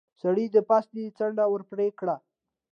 سړي د پاستي څنډه ور پرې کړه.